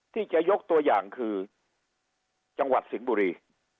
ที่จะยกตัวอย่างคือจังหวัดสิงห์บุรี